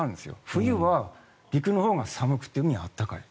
冬は陸のほうが寒くて海は暖かい。